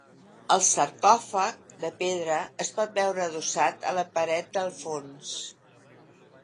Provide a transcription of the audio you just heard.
El sarcòfag, de pedra, es pot veure adossat a la paret del fons.